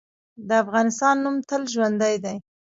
د افغانستان نوم تل ژوندی دی.